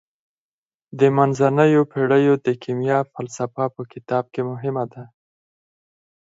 د منځنیو پیړیو د کیمیا فلسفه په کتاب کې مهمه ده.